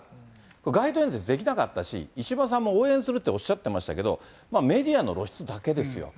街頭演説できなかったし、石破さんも応援するっておっしゃってましたけど、メディアの露出だけですよ。